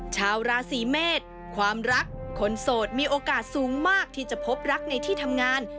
ชาวราศีเมษความรักคนโสดมีโอกาสสูงมากที่จะพบรักในที่ทำงาน